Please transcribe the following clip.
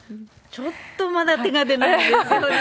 ちょっとまだ手が出ないですよね。